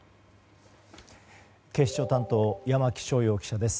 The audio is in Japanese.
警視庁担当山木翔遥記者です。